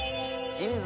銀座